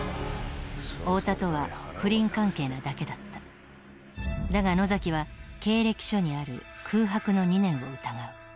太田とは不倫関係なだけだっただが野崎は経歴書にある空白の２年を疑う